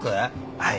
はい。